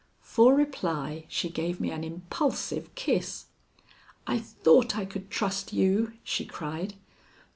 For reply she gave me an impulsive kiss. "I thought I could trust you," she cried.